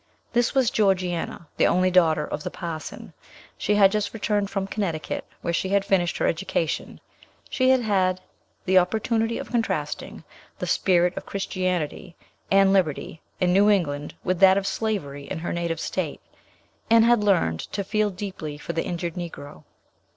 This was Georgiana, the only daughter of the parson. She had just returned from Connecticut, where she had finished her education. She had had the opportunity of contrasting the spirit of Christianity and liberty in New England with that of slavery in her native state, and had learned to feel deeply for the injured Negro.